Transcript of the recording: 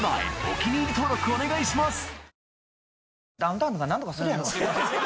お気に入り登録お願いします！